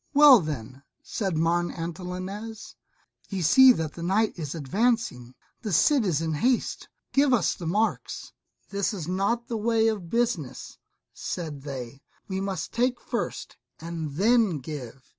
"Well then," said Martin Antolinez, "ye see that the night is advancing; the Cid is in haste, give us the marks." "This is not the way of business," said they; "we must take first, and then give."